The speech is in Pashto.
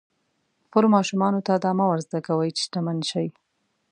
خپلو ماشومانو ته دا مه ور زده کوئ چې شتمن شي.